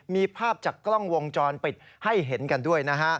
มีภาพจากกล้องวงจรปิดให้เห็นกันด้วยนะฮะ